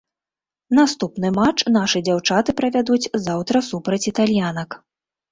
Наступны матч нашы дзяўчаты правядуць заўтра супраць італьянак.